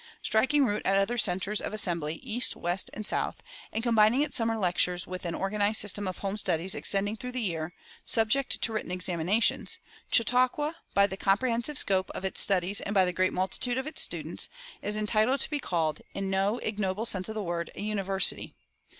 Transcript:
Striking root at other centers of assembly, east, west, and south, and combining its summer lectures with an organized system of home studies extending through the year, subject to written examinations, "Chautauqua," by the comprehensive scope of its studies and by the great multitude of its students, is entitled to be called, in no ignoble sense of the word, a university.